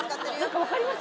分かります？